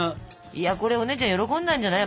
いやこれお姉ちゃん喜んだんじゃない。